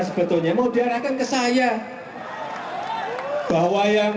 sebetulnya mau diarahkan ke saya